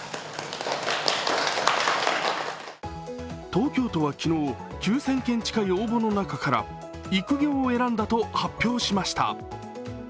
東京都は昨日、９０００件近い応募の中から育業を選んだと発表しました。